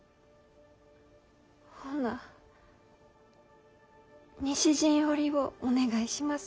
ほな西陣織をお願いします。